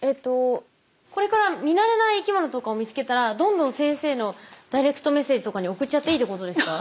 これから見慣れない生きものとかを見つけたらどんどん先生のダイレクトメッセージとかに送っちゃっていいってことですか？